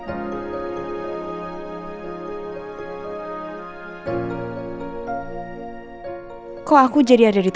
tapi kamu pasti akan retempart birds daytime